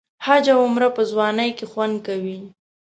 حج او عمره په ځوانۍ کې خوند کوي.